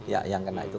ya yang kena itu